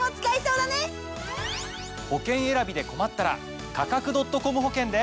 保険選びで困ったら「価格．ｃｏｍ保険」で。